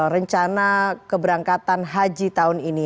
rencana keberangkatan haji tahun ini